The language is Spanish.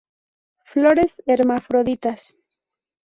Flores hermafroditas.